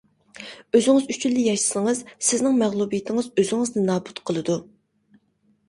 ئۆزىڭىز ئۈچۈنلا ياشىسىڭىز، سىزنىڭ مەغلۇبىيىتىڭىز ئۆزىڭىزنى نابۇت قىلىدۇ.